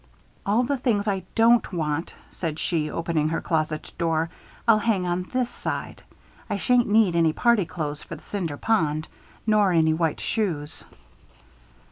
"All the things I don't want," said she, opening her closet door, "I'll hang on this side. I shan't need any party clothes for the Cinder Pond. Nor any white shoes."